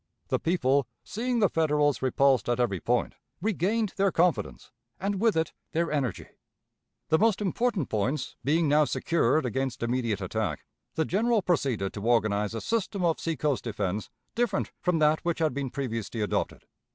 The people, seeing the Federals repulsed at every point, regained their confidence, and with it their energy. "The most important points being now secured against immediate attack, the General proceeded to organize a system of seacoast defense different from that which had been previously adopted.